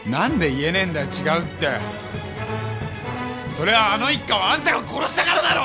それはあの一家をあんたが殺したからだろ！！